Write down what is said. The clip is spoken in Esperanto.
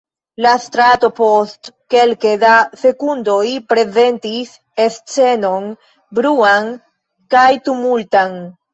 La strato post kelke da sekundoj prezentis scenon bruan kaj tumultan.